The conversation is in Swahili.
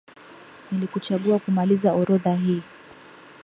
Nilikuchagua kumaliza orodha hii.